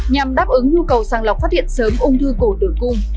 nhằm đáp ứng nhu cầu sàng lọc phát hiện sớm ung thư cổ tử cung